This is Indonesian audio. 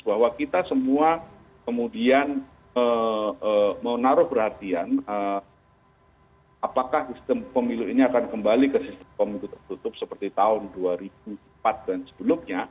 bahwa kita semua kemudian menaruh perhatian apakah sistem pemilu ini akan kembali ke sistem pemilu tertutup seperti tahun dua ribu empat dan sebelumnya